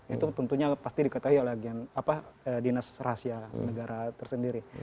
itu tentunya pasti diketahui oleh dinas rahasia negara tersendiri